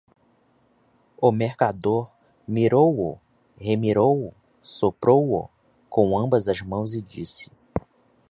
O mercador mirou-o, remirou-o, sopesou-o com ambas as mãos e disse